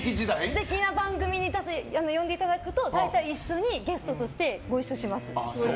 知的な番組に呼んでいただくと大体一緒にゲストとしてご一緒します。